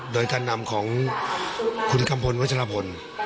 โดยการนำของคุณกำพลวัจฌาพล